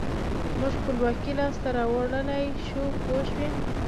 موږ خپلواکي لاسته راوړلای شو پوه شوې!.